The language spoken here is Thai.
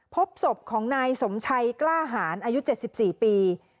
พบศพของนายสมชัยกล้าหารอายุ๗๔ปี